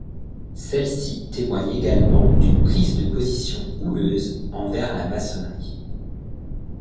Celle-ci témoigne également d'une prise de position houleuse envers la maçonnerie.